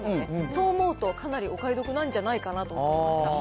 そう思うと、かなりお買い得なんじゃないかなと思いました。